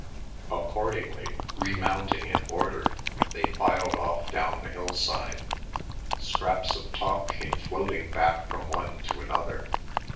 Accordingly, remounting in order, they filed off down the hillside. Scraps of talk came floating back from one to another.